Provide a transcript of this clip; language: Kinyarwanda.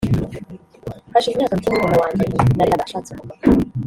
Hashize imyaka mike murumuna wanjye nareraga ashatse umugabo